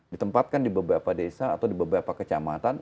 ditempatkan di beberapa desa atau di beberapa kecamatan